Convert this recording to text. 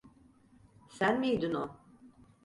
Sen miydin o?